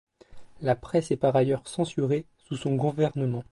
La presse est par ailleurs censurée sous son gouvernement.